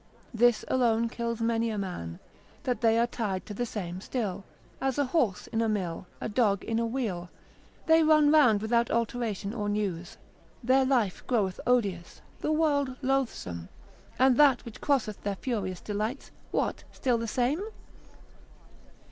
this alone kills many a man, that they are tied to the same still, as a horse in a mill, a dog in a wheel, they run round, without alteration or news, their life groweth odious, the world loathsome, and that which crosseth their furious delights, what? still the same?